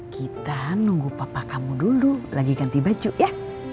kita nunggu papa kamu dulu lagi ganti baju ya